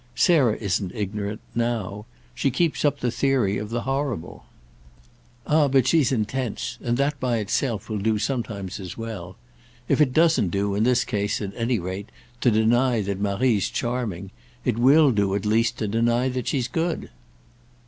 "Sarah isn't ignorant—now; she keeps up the theory of the horrible." "Ah but she's intense—and that by itself will do sometimes as well. If it doesn't do, in this case, at any rate, to deny that Marie's charming, it will do at least to deny that she's good."